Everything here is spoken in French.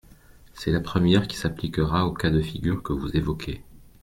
C’est la première qui s’appliquera au cas de figure que vous évoquez.